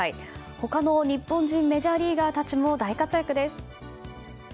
他の日本人メジャーリーガーたちも大活躍です。